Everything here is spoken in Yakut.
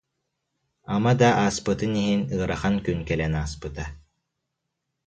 Ама да ааспытын иһин, ыарахан күн кэлэн ааспыта